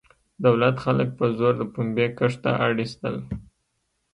دولت خلک په زور د پنبې کښت ته اړ ایستل.